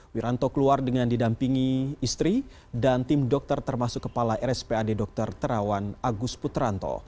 wiranto keluar dengan didampingi istri dan tim dokter termasuk kepala rspad dr terawan agus putranto